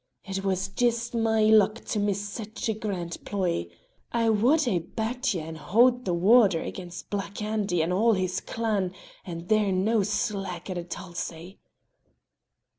"It was jist my luck to miss sic a grand ploy. I wad hae backed ye to haud the water against Black Andy and all his clan, and they're no' slack at a tulzie."